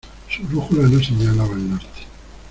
Su brújula no señalaba el norte.